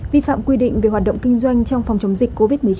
vi phạm quy định về hoạt động kinh doanh trong phòng chống dịch covid một mươi chín